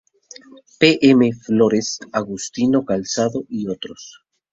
P. M. Flórez, agustino calzado y otros.